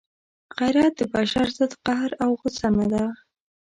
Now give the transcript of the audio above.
غیرت د بشر ضد قهر او غصه نه ده.